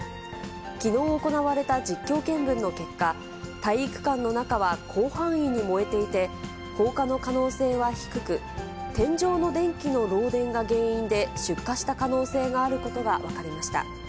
きのう行われた実況見分の結果、体育館の中は広範囲に燃えていて、放火の可能性は低く、天井の電気の漏電が原因で出火した可能性があることが分かりました。